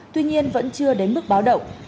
tuy nhiên vẫn chưa đến mức báo động